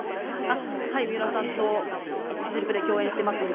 はい、水卜さんとＺＩＰ！で共演しています、今。